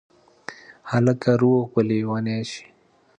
هلکه روغ به لېونی شې